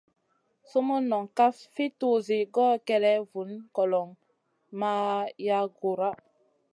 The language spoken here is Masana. Sumun noŋ kaf fi tuzi goy kélèʼèh, vun goloŋ ma yaʼ Guhra.